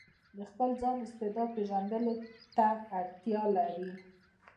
د خپل ځان استعداد پېژندنې ته اړتيا لري.